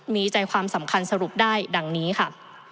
มีใจความสำคัญสรุปได้ดังนี้ค่ะ